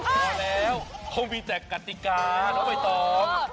เพราะแล้วเขามีแค่กติกาไม่ต้อง